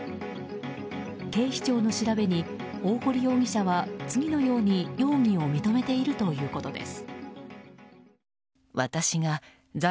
警視庁の調べに、大堀容疑者は次のように容疑を認めているということです。